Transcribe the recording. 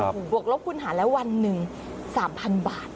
บวกลบคุณหาแล้ววันหนึ่ง๓๐๐๐บาท